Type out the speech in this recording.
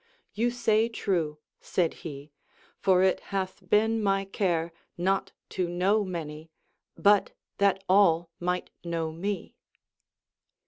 You say true, said he, for it hath been my care not to know niany, but that all might know me.